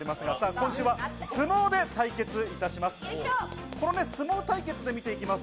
今週は相撲で対決します。